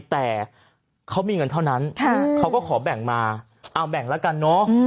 แต่เขามีเงินเท่านั้นเขาก็ขอแบ่งมาเอาแบ่งแล้วกันเนอะ